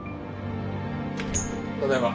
ただいま。